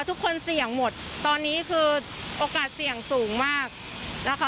ทุกคนเสี่ยงหมดตอนนี้คือโอกาสเสี่ยงสูงมากนะคะ